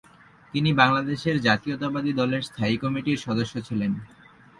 তিনি বাংলাদেশ জাতীয়তাবাদী দলের স্থায়ী কমিটির সদস্য ছিলেন।